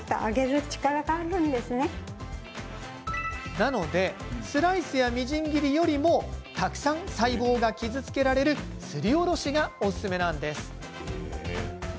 なのでスライスやみじん切りよりもたくさん細胞が傷つけられるすりおろしが、おすすめなんです。